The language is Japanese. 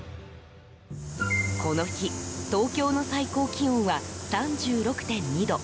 この日、東京の最高気温は３６．２度。